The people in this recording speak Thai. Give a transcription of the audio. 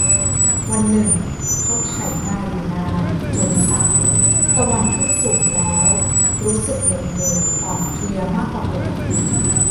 วันหนึ่งเขาไถนาอยู่นานจนสาย ตะวันขึ้นสูงแล้วรู้สึกเหน็ดเหนื่อยอ่อนเพลียมากกว่าปกติ